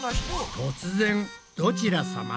突然どちらさま？